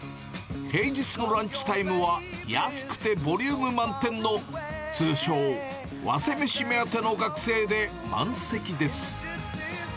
平日のランチタイムは、安くてボリューム満点の通称ワセメシ目当ての学生で満席です。